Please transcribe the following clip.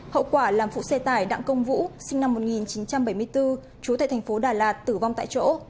hậu quả làm phụ xe tải đặng công vũ sinh năm một nghìn chín trăm bảy mươi bốn trú tại thành phố đà lạt tử vong tại chỗ